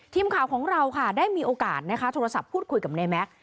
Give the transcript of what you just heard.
ทีมข่าวของเราค่ะได้มีโอกาสนะคะโทรศัพท์พูดคุยกับนายแม็กซ์